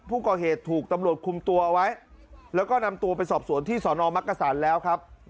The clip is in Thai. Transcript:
ผู้ก่อเหตุถูกตำรวจคุมตัวไว้แล้วก็นำตัวไปสอบสวนที่สอนอมักกษันแล้วครับ